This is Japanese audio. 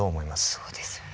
そうですよね。